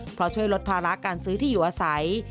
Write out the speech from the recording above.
เพราะช่วยลดภาระการซื้อที่อยู่อาศัย